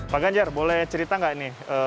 pak ganjar boleh cerita nggak nih